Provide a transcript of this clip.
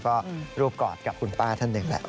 ก็รูปกอดกับคุณป้าท่านหนึ่งแหละ